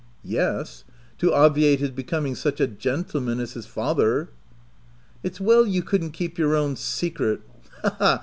iC Yes, to obviate his becoming such a gen tleman as his father." " It's well you couldn't keep your own secret —ha, ha